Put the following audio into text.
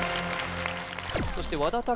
そして和田拓